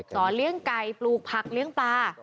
เลี้ยงไก่ปลูกผักเลี้ยงปลา